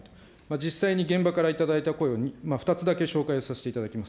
実際に現場から頂いた声を２つだけ紹介させていただきます。